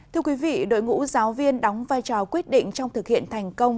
thưa quý vị đội ngũ giáo viên đóng vai trò quyết định trong thực hiện thành công